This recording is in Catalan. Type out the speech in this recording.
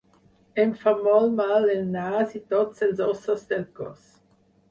Em fa molt mal el nas i tots els ossos del cos.